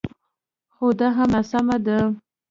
خو دا هم ناسمه ده